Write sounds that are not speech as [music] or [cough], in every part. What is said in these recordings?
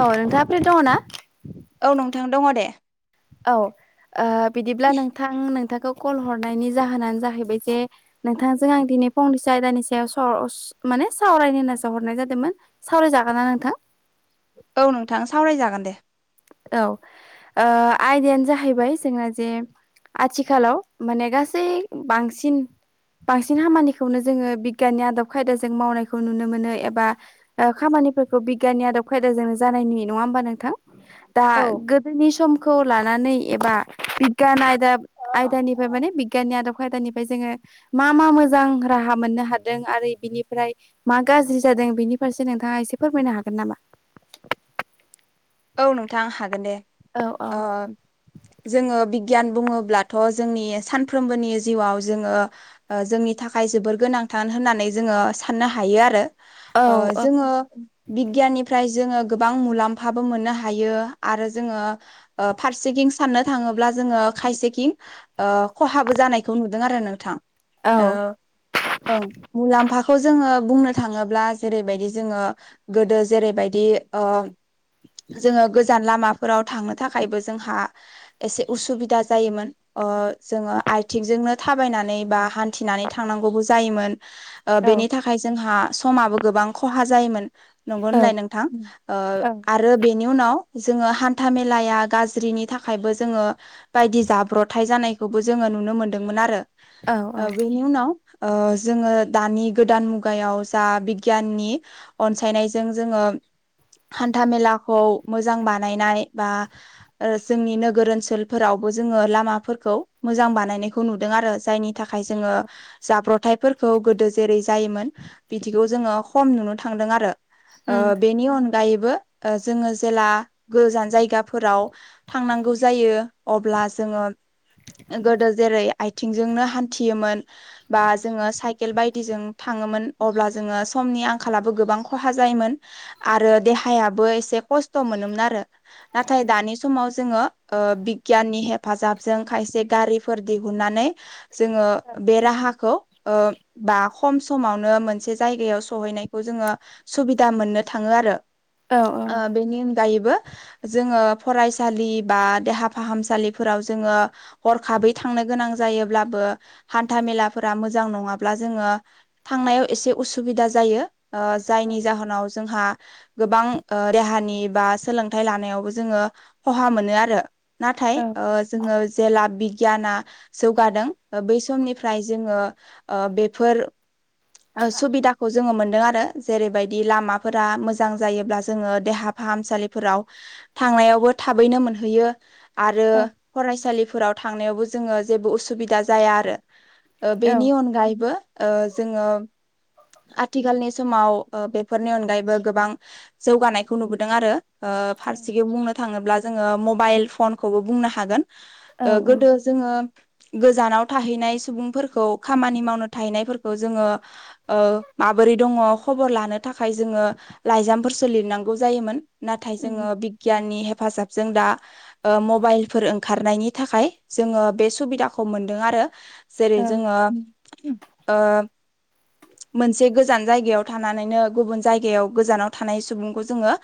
औ नोंथाङा फ्रि दङ ना? औ नोंथां दङ दे औ ओ बिदिब्ला नोंथां नोंथां खौ कल हरनायनि जाहोनानो जाहैबाय जे नोंथांजों आं दिनै फंनैसो आयदानि सायाव साव माने सावरायनो नासाव हरनाय जादोंमोन। सावरायजागोन ना नोंथां? औ नोंथां सावराय जागोन दे। औ ओ आयदायानो जाहैबाय जोंना जे आथिखालाव माने गासै बांसिन बांसिन खामानिखौनो जोङो बिगियाननि आदब खायदाजों मावनायखौ नुनो मोनो एबा ओ खामा निफोरखौ बिगियाननि आदब खायदाजोंनो जानाय नुयो नङा होमबा नोंथां। दा औ गोदोनि सम खौ लानानै एबा बिगियान आयदाब आयदानिफ्राय माने बिगियाननि आदब खायदानिफ्राय जोङो मा मा मोजां राहा मोननो हादों आरो बिनिफ्राय मा गाज्रि जादों बिनि फारसे नों थाङा एसे फोरमायनो हागोन नामा? औ नोंथां हागोन दे। औ औ ओ जोङो बि गियान बुङोब्लाथ' जोंनि सानफ्रोमबोनि जिउआव जोङो ओ जोंनि थाखाय जोबोर गोनां थार होननानै जोङो साननो हायो आरो। ओ औ औ जोङो बिगियाननिफ्राय जोङो गोबां मुलाम्फा बो मोननो हायो आरो जोङो ओ फारसेथिं साननो थाङोब्ला जोङो खायसेथिं ओ खहाबो जानायखौ नुदों आरो नोंथां। औ ओ ओं मुलाम्फा खौ जोङो बुंनो थाङोब्ला जेरैबायदि जोङो गोदो जेरैबायदि ओ जोङो गोजान लामाफोराव थांनो थाखायबो जोंहा एसे उसुबिदा जायोमोन। ओ जोङो आथिंजोंनो थाबायनानै बा हान्थिनानै थांनांगौबो जायोमोन। ओ औ बेनि थाखाय जोंहा समाबो गोबां खहा जायोमोन। नंगौ होनलाय औ नोंथां? ओ औ आरो बेनि उनाव जोङो हान्था मेलाया गाज्रिनि थाखायबो जोङो बायदि जाब्रथ थाय जानायखौबो जोङो नुनो मोनदोंमोन आरो। औ औ ओ बेनि उनाव ओ जोङो दानि गोदान मुगायाव जा बिगियाननि अनसायनायजों जोङो हान न्था मेलाखौ मोजां बानायनाय बा ओ जोंनि नोगोर ओनसोलफोरावबो जोङो लामाफोरखौ मोजां बानायनायखौ नुदों आरो जायनि थाखाय जोङो जाब्रथाइफोरखौ गोदो जेरै जायोमोन बिदिखौ जोंङो खम नुनो थांदों आरो उम बेनि ओ अनगायैबो जोंङो जेला गोजान जायगाफोराव थांनांगौ जायो अब्ला जोंङो गोदो जेरै आथिंजोंनो हान्थियोमोन बा जोंङो साइ साइकेल बादिजों थांङोमोन अब्ला समनि गोबां आंखाल जायोमोन आरो देहाया बो एसे खस्थ' मोनोमोन आरो नाथाय दानि समाव जोंङो बिगियाननि हेफाजाब खायसे गारिफोर दिहुननानै जोंङो बे राहाखौ ओ बा खम समावनो मोनसे जायगायाव सहैनायखौ जोंङो सुबिदा मोननो थांङो। आरो औ बेनि अनगायैबो जोंङो फरायसालि बा देहा फाहामसालिफोराव जोंङो हरखाबै थांनो गोनां जायो हान्था मेला मोजां नंङाब्ला जोंङो थांनायाव एसे उसुबि उसुबिदा जायो जायनि जाहोनाव जोंहा गोबां देहानि बा सोलोंथाइ लानायावबो जोंङो खहा मोनो आरो नाथाय औ जोंङो जेला बि गियाना जौगादों बै समनिफ्राय जोंङो औ बेफोर सुबिदाखौ जोंङो मोनदों आरो जेरैबायदि लामाफोरा मोजां जायोब्लासो जोंङो देहा फाहामसालिफोराव थांनायावबो थाबैनो मोनहैयो आरो औ फरायसालिफोराव थांनायावबो जोंङो जेबो उसुबिदा जाया आरो बेनि अनगायैबो ओ जोंङो आथिखालनि समाव बेफोरनि अनगायैबो गोबां जौगानायखौ नुबोदों आरो फारसेथिं बुंनो थांङोब्ला जोंङो मबाइल फनखौबो बुंनो हागोन। औ ओ गोदो जोंङो गोजानाव थाहैनाय सुबुंफोरखौ खामानि मावनो थाहैनायफोरखौ जोंङो ओ आब बोरै दंङो खबर लानो थाखाय जोंङो लाइजामफोर सोलिरनांगौ जायोमोन नाथाय जोंङो उम बिगियाननि हे हेफाजाबजों दा मबाइलफोर ओंखारनायनि थाखाय जोंङो बे सुबिदाखौ मोनदों आरो औ जेरै जोंङो ओ मोनसे गोजान जायगायाव थानानैनो गुबुन जायगायाव गोजानाव थानाय सुबुंखौ जोंङो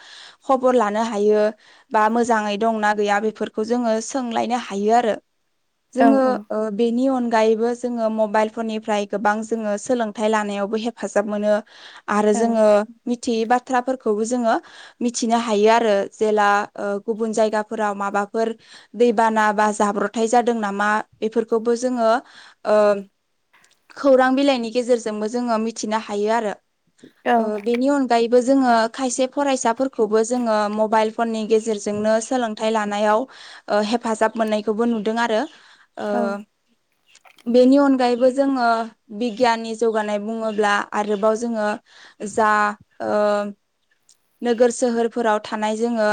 खबर लानो हायो बा मोजांङै दंना गैया बेफोरखौ जोंङो सोंलायनो हायो आरो औ जोंङो बेनि अन अनगायैबो जोझङो मबाइल फननिफ्राय गोबां जोंङो सोलोंथाइ लानायावबो हेफाजाब मोनो। आरो औ जोंङो मिथियै बाथ बाथ्राफोरखौबो जोंङो मिथिनो हायो आरो जेला ओ गुबुन जायगाफोराव माबाफोर दैबाना बा जाब्रथाय जादों नामा बेफोरखौबो जोंङो ओ खौरां बिलाइनि गेजेरजोंबो जोंङो मिथिनो हायो आरो बेनि अनगायैबो बेबो जोंङो खायसे फरायसाफोरखौबो जोंङो मबाइल फननि गेजेरजोंनो सोलोंथाइ लानायाव हेफाजाब मोननायखौबो नुदों आरो [inaudible] बेनि अनगायैबो जोंङो बिगियाननि जौगानाय बुंङोब्ला आरोबाव जोंङो जा ओ नोगोर सोहोरफोराव थानाय जोंङो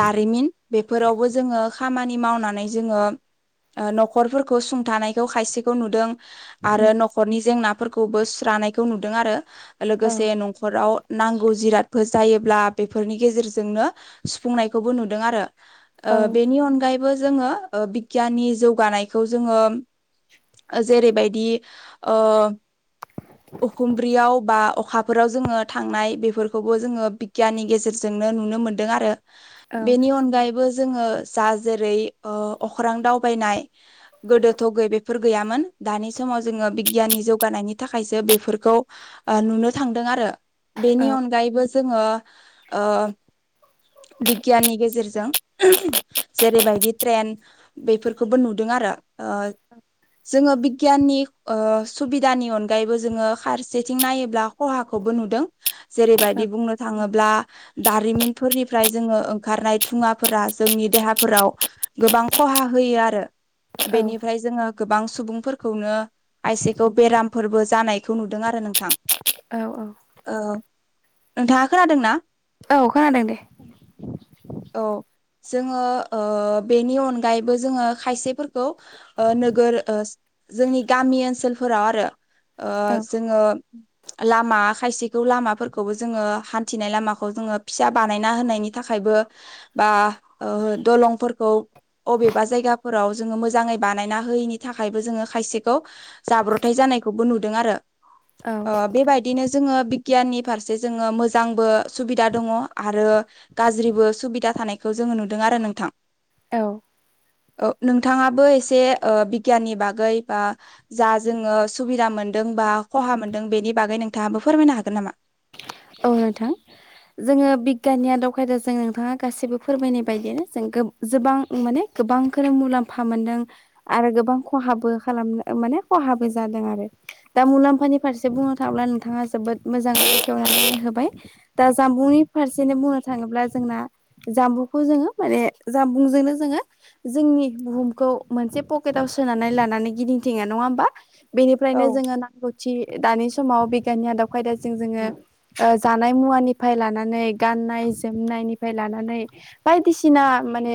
दारिमिन बेफोरावबो जोंङो खामानि मावनानै जोंङो न'खरफोरखौ सुंथानायखौ खायसेखौ नुदों। आरो उम न'खरनि जेंनाफोरखौबो सुस्रानायखौ नुदों आरो औ लोगोसे न नांगौ जिरादफोर जायोब्ला बेफोरनि गेजेरजोंनो सुफुंनायखौबो नुदों आरो औ ओ बेनि अनगायैबो जोंङो बिगियाननि जौगानायखौ जोङो जेरैबायदि उखुमब्रियाव बा अखाफोराव जोंङो थांनाय बेफोरखौबो जोंङो बिगियाननि गेजेरजोंनो नुनो मोनदों आरो बेनि अनगायैबो जोंङो जा जेरै अख्रां दावबायनाय गोदोथ' गै बेफोर गैयामोन दानि समाव जोंङो बिगियाननि जौगानायनि थाखायसो बेफोरखौ नुनो थां आरो बेनि अनगायैबो जोङो बिगियाननि गेजेरजों जेरैबायदि ट्रेन बेफोरखौबो नुदों। आरो जोङो बिगियाननि सुबिदानि अनगायैबो जोङो फारसेथिं नायोब्ला खहाखौबो नुदों जेरैबायदि बुंनो थाङोब्ला दारिमिनफोरनिफ्राय जोङो ओंखारनाय थुङाफोरा जोंनि देहाफोराव गोबां खहा हो होयो आरो औ बेनिफ्राय जोङो गोबां सुबुंफोरखौनो खायसेखौ बेरामफोरबो जानायखौ नुदों आरो नोंथां औ औ ओ नोंथाङा खोनादों ना? औ खोनादों दे औ जोङो बेनि अनगायैबो जोङो खायसेफोरखौ नोगोर जोंनि गामि ओनसोलफोराव आरो औ जोङो [inaudible] लामा खायसेखौ लामाफोरखौबो जोङो हान्थिनाय लामाखौ जोङो फिसा बानायना होनायनि थाखायबो बा दलंफोरखौ अबेबा जायगाफोराव जोङो मोजाङै बानायना होयैनि थाखायबो जोङो खायसेखौ जाब्रथाय जान नायखौबो नुदों आरो औ बेबायदिनो जोङो बिगियाननि फारसे जोङो मोजांबो सुबिदा दङ आरो गाज्रिबो सुबिदा थानायखौ जोङो नुदों आरो नोंथां औ नोंथाङाबो एसे बिगियाननि बागै बा जा जोङो सुबिदा मोनदों। बा खहा मोनदों बेनि बागै नोंथाङाबो फोरमायनो हागोन नामा औ नोंथां जोङो बिगियाननि आदब खायदाजों नोंथाङा गासिबो फोरमायनाय बायदियानो जों जोबां माने गोबांखौनो मुलाम्फा मोनदों आरो गोबां खहाबो खालामनो माने खहाबो जादों आरो दा मुलाम्फानि फारसे बुंनो थाङोब्ला नोंथाङा जोबोद मोजां। बेखेवनानै होबाय दा जामबुंनि फारसेनो बुंनो थाङोब्ला जोंना जामबुंखौ जोङो माने जामबुंजोंनो जोङो जोंनि बुहुमखौ मोनसे पकेटाव सोनानै लानानै गिदिंथिङो नङा होमबा? बेनिफ्रायनो औ जोङो नांगौ थि दानि समाव बिगियाननि आदब खायदाजों जोङो जानाय मुवानिफ्राय लानानै गाननाय जोमनायनिफ्राय लानानै बायदिसिना माने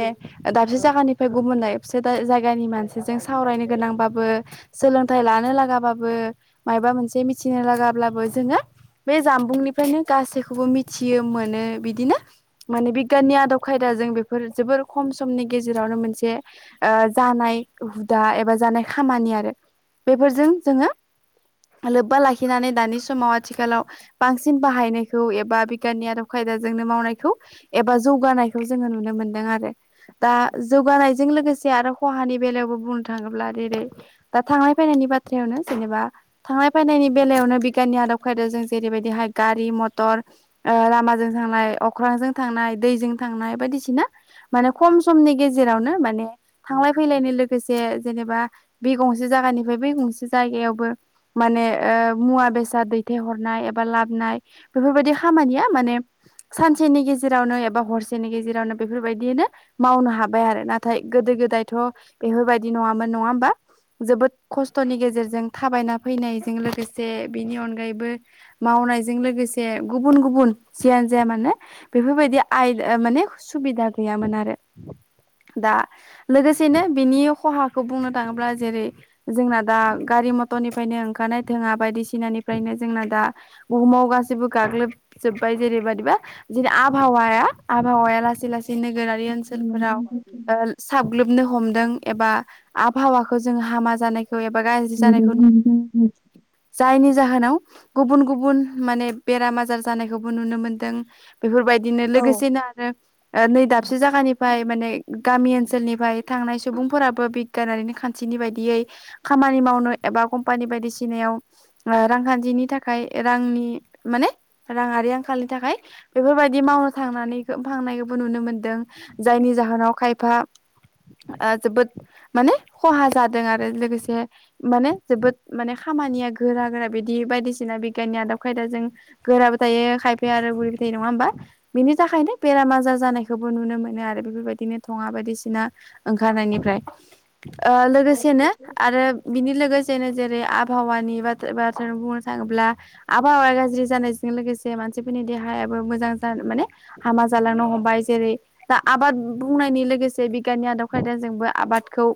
दाबसे जायगानिफ्राय गुबुन दाबसे जायगानि मानसिजों सावरायनो गोनांबाबो सोलोंथाइ लानो लागाबाबो माबेबा मोनसे मिथिनो लागाब्लाबो जोङो बे जानबुंनिफ्रायनो गासैखौबो मिथियो मोनो बिदिनो माने बिगियाननि आदब खायदाजों बे जोबोर खम समनि गेजेरावनो मोनसे जानाय हुदा एबा जानाय खा खामानि आरो बेफोरजों जोङो लोब्बा लाखिनानै दानि समाव आथिखालाव बांसिन बाहायनायखौ एबा बिगियाननि आदब खायदाजोंनो मावनायखौ एबा जौगानायखौ जोङो नुनो मोनदों आरो दा जौगानायजों लोगोसे आरो खहानि बेलायावबो बुंनो थाङोब्ला जेरै दा थांलाय फैनायनि बाथ्रायावनो जेनेबा थांनाय फैनायनि बेलायावनो बिगियाननि आदब खायदाजों जेरैबायदिहाय गारि मथर लामाजों थांनाय अख्रांजों थांनाय दैजों थांनाय बायदि बायदिसिना माने खम समनि गेजेरावनो माने थांलाय फैलायनि लोगोसे जेनेबा बे गंसे जायगानिफ्राय बै गंसे जायगायावबो माने मुवा बेसाद दैथायहर हरनाय एबा लाबोनाय बेफोरबायदि खामानिया माने सानसेनि गेजेरावनो एबा हरसेनि गेजेराव गेजेरावनो बेफोरबायदिनो मावनो हाबाय आरो नाथाय गोदो गोदायथ' बेफोरबायदि नङामोन नङा होमबा जोबोद खस्थ'नि गेजेरजों थाबायना फैनायजों लोगोसे बेनि अनगायैबो मावनायजों लोगोसे गुबुन गुबुन जियानो जाया मानो बेफोरबायदि आयदा माने सुबिदा गैयामोन आरो दा लोगोसेनो बिनि खहाखौ बुंनो थाङोब्ला जेरै जोंना दा गारि मतरनिफ्रायनो ओंखारनाय धोङा बायदिसिनानिफ्रायनो जोंना दा बुहुमाव गासिबो गाग्लोबजोबबाय जेरैबादिबा जोंनि आबहावाया आबहावाया लासै लासै नोगोरारि ओनसोलफोराव ओ साग्लोबनो हमदों एबा आबहावाखो जों हामा जानायखो एबा गाज्रि जानायख नु [unintelligible] जायनि जाहोनाव गुबुन गुबुन माने बेराम आजार जानायखौबो नुनो मोनदों बेफोरबायदिनो औ लोगोसेनो आरो नै दा दाबसे जायगानिफ्राय माने गामि ओनसोलनिफाय थांनाय सुबुंफोराबो बिगियानारिनि खान्थिनि बायदियै खामानि मावनो एबा कम्पानि बायदिसिनायाव ओ रांखान्थिनि थाखाय थाखाय रांनि माने राङारि आंखालनि थाखाय बेफोरबायदि मावनो थांनानै [unintelligible] नायखौबो नुनो मोनदों जायनि जाहोनाव खायफा ओ जोबोद माने खहा जादों आरो लोगोसे माने जोबोद माने खामानिया गोरा गोरा बिदि बायदिसिना सिना बिगियाननि आदब खायदा जों गोराबो थायो खायफाया आरो गुरैबो थायो नङा होमबा बिनि थाखायनो बेरा म आजार जानायखौबो नुनो मोनो आरो बेफोरबायदिनो धङा बायदिसिना ओंखारनायनिफ्राय ओ लोगोसेनो आरो बिनि लोगोसेनो जेरै आबहावानि बाथे बाथ्रा बुं थाङोब्ला आबहावा गाज्रि जानायजों लोगोसे मानसिफोरनि देहायाबो मोजां जानो माने हामा जालांनो हमबाय जेरै दा आबाद बुंनायनि लोगोसे बिगियाननि आदब खायदाजोंबो आबादखौ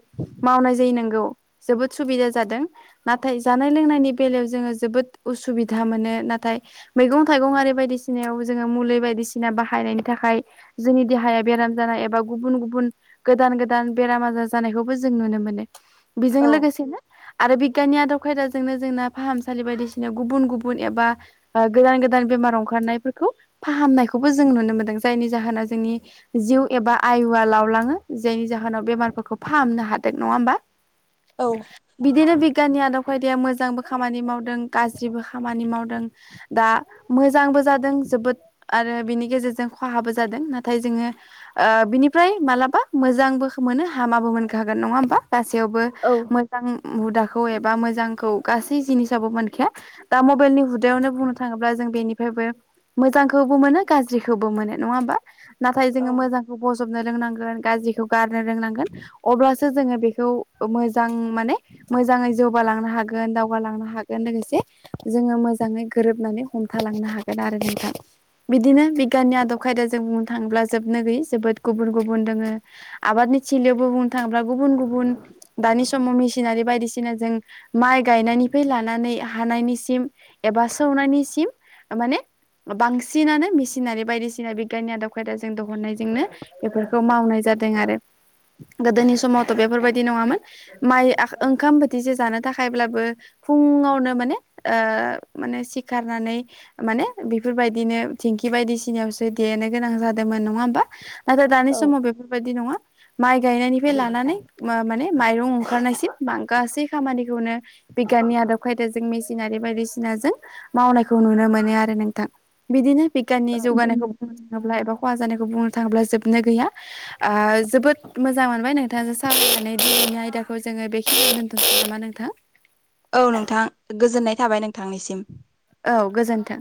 मावनाय जायो नोंगौ जोबोद सुबिदा जादों नाथाय जानाय लोंनायनि बेलायाव जोङो जोबोद उसुबिदा मोनो नाथाय मैगं थाइगं आरि बायदिसिनायाव जोङो मुलि बायदिसिना बाहायनायनि थाखाय थाखाय जोंनि देहाया बेराम जानाय एबा गुबुन गुबुन गोदान गोदान बेराम आजार जानायखौबो जों नुनो मोन बेजों औ लोगोसेनो आरो बिगियाननि आदब खायदाजोंनो जोंना फाहामसालि बायदिसिना दिनो गुबुन गुबुन एबा गोदान गोदान बेमार ओंखारनायफोरखौ फाहामनायखौबो जों नुनो मोनदों जायनि जाहोनाव जोंनि जिउ एबा आयुआ लावलाङो जायनि जाहोनाव बेमारफोरखौ फाहामनो हायो दों नङा होमबा औ बिदिनो बिगियाननि आदब खायदाया मोजांबो खामानि मावदों गाज्रिबो खामानि मावदों दा मोजांबो जादों जोबोद आरो बिनि गेजेरजों खहाबो जादों नाथाय जोङो ओ बिनिफ्राय मालाबा मोजांबो मोनो हामाबो मोनखागोन नङा होमबा गासैयावबो औ मोजां हुदाखौ एबा मोजांखौ गासै जिनिसाबो मोनखागोन [unintelligible] दा मबाइलनि हुदायावनो बुंनो थाङोब्ला जों बेनिफ्रायबो मोजांखौबो मोनो गाज्रिखौबो मोनो नङा होमबा नाथाय जोङो मोजांखौ बजबनो रोंनांगोन गाज्रिखौ गारनो रोंनांगोन अब्लासो जोङो बेखौ मोजां माने मोजाङै जौगा लांनो हागोन दावगालांनो हागोन गोन लोगोसे जोङो मोजाङै गोरोबनानै हमथालांनो हागोन आरो नोंथां बिदिनो बिगियाननि आदब खायदाजों बुंनो थाङोब्ला जोबनो गैयै जोबोद गुबुन गुबुन दोङो आबाद [unintelligible] बुंनो‌ थाङोब्ला गुबुन गुबुन दानि समाव मिसिनारि बायदिसिना जों माय‌ गायनाय नायनिफ्राय लानानै हानायनि सिम एबा सौनायनिसिम माने बांसिनानो मेसिनारि बायदिसिना बिगियाननि आदब खायदाजों दहननायजोंनो बेफोरखौ मावनाय जायो जादों आरो आरो गोदोनि समावथ बेफोरबायदि नङामोन माइ आख ओंखाम बोथिसे जानो थाखायब्लाबो फुङावनो माने ओ माने सिखारनानै माने बेफोरबायदिनो दिंखि खि बायदिसिनायावसो देनो गोनां जादोंमोन नङा होमबा नाथाय दानि औ समाव बेफोरबायाददि नङा माइ गायनायनिफ्राय लानानै ओ माने माइरं ओंखारनायसिम लानानै माने गासै खामानिखौनो बिगियाननि आदब खायदा जों मेसिनारि बायदिसिनाजों मावनायखौ नुनो मोनो आरो नोंथां बिदिनो बिगियाननि जौगानायखौ बुंनो थाङोब्ला एबा खहा जानायखौ बुंनो थाङोब्ला जोबोद नो गैया ओ जोबोद मोजां मोनबाय नोंथाङजों सावरायनानै दिनैनि आयदाखौ जोङो दोनथनोसै नामा नोंथां औ नोंथां गोजोननाय थाबाय नोंथांनिसिम औ गोजोन्थों